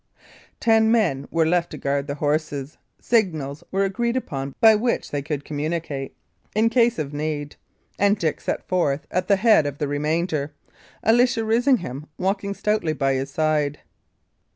Ten men were left to guard the horses; signals were agreed upon by which they could communicate in case of need; and Dick set forth at the head of the remainder, Alicia Risingham walking stoutly by his side.